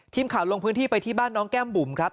ทีมข่าวลงพื้นที่ไปที่บ้านน้องแก้มบุ๋มครับ